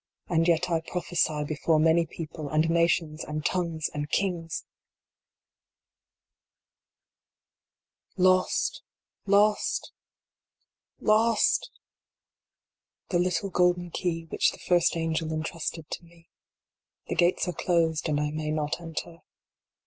And yet I prophesy before many people, and nations, and tongues, and kings ! II. Lost lost lost ! The little golden key which the first angel entrusted to me. The gates are closed, and I may not enter.